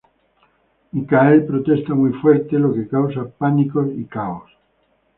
Michael protesta muy fuerte, lo que causa pánico y caos.